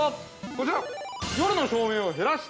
◆こちら。